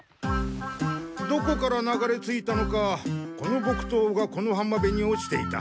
どこからながれ着いたのかこの木刀がこのはまべに落ちていた。